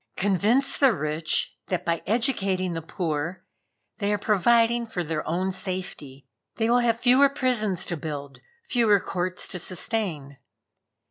Convince the rich that by educating the poor, they are providing for their own safety. They will have fewer prisons to build, fewer courts to sustain.